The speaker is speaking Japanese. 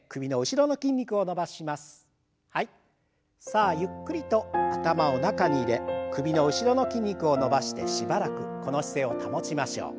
さあゆっくりと頭を中に入れ首の後ろの筋肉を伸ばしてしばらくこの姿勢を保ちましょう。